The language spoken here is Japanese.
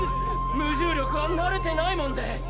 無重力は慣れてないもんで。